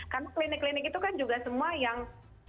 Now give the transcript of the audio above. karena klinik klinik itu kan juga semua yang